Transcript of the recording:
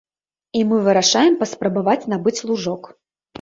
І мы вырашаем паспрабаваць набыць лужок.